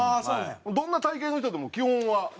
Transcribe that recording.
どんな体形の人でも基本は似合う。